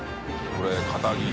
これ。